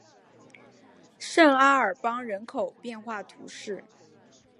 圣阿尔邦人口变化图示